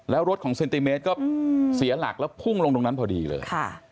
แล้วรถของเซนติเมตรก็เสียหลักแล้วพุ่งลงตรงนั้นพอดีเลย